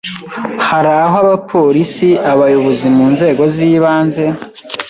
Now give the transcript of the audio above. hari aho abapolisi, abayobozi mu nzego z’ibanze